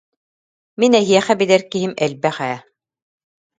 Мин эһиэхэ билэр киһим элбэх ээ